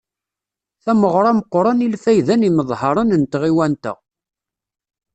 Tameɣra meqqren i lfayda n yimeḍharen n tɣiwant-a.